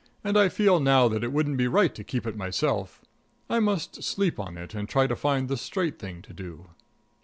And I feel now that it wouldn't be right to keep it myself. I must sleep on it and try to find the straight thing to do."